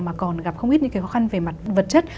mà còn gặp không ít những cái khó khăn về mặt vật chất